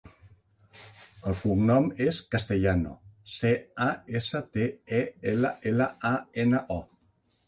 El cognom és Castellano: ce, a, essa, te, e, ela, ela, a, ena, o.